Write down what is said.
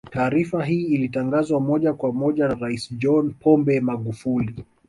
Taarifa hii ilitangazwa moja kwa moja na Rais John Pombe Magufuli